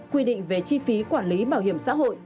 quy định về chi phí quản lý bảo hiểm xã hội